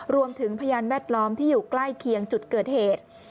พยานแวดล้อมที่อยู่ใกล้เคียงจุดเกิดเหตุ